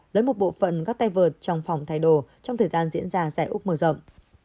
lấy một bộ phận các tay vợt trong phòng thay đồ trong thời gian diễn ra giải úc mở rộng